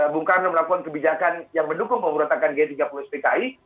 bung karno melakukan kebijakan yang mendukung pemberontakan g tiga puluh spki